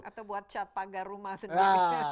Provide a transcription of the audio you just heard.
atau buat cat pagar rumah sendiri